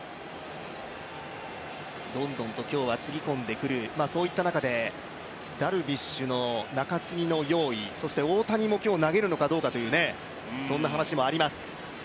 どんどんとつぎ込んでくるそういった中でダルビッシュの中継ぎの用意、そして大谷も今日投げるのかどうか、そんな話もあります。